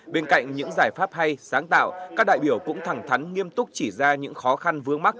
bên cạnh những giải pháp hay sáng tạo các đại biểu cũng thẳng thắn nghiêm túc chỉ ra những khó khăn vướng mắt